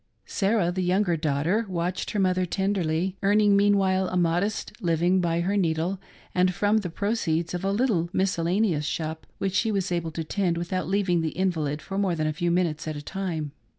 Sarah, the younger daughter, watched her mother tenderly ; earning meanwhile a modest living by her needle, and from the proceeds of a little miscellaneous shop which she was able t6 tend without leaving the invalid for more than a few minutes at a time.